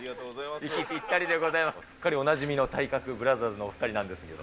すっかりおなじみの体格ブラザーズのお２人なんですけど。